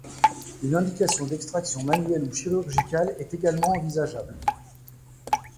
Une indication d'extraction manuelle ou chirurgicale est également envisageable.